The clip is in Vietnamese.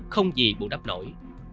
không gì bù đắp nổi